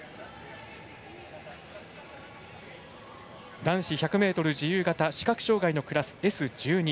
男子１００ｍ自由形視覚障がいのクラスＳ１２。